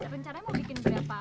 rencananya mau bikin berapa